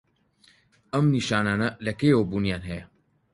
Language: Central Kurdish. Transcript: ئەم نیشانانه لە کەیەوە بوونیان هەیە؟